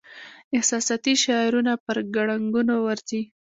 احساساتي شعارونه پر ګړنګونو ورځي.